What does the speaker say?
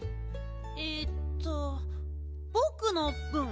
えっとぼくのぶん？